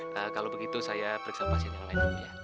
kalau begitu saya periksa pasien yang lain